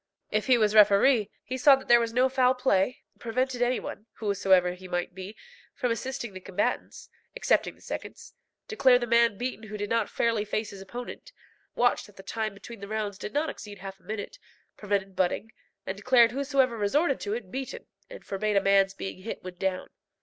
If he was referee, he saw that there was no foul play, prevented any one, whosoever he might be, from assisting the combatants, excepting the seconds, declare the man beaten who did not fairly face his opponent, watched that the time between the rounds did not exceed half a minute, prevented butting, and declared whoever resorted to it beaten, and forbade a man's being hit when down.